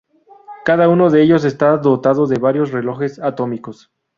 Cada uno de ellos está dotado de varios relojes atómicos.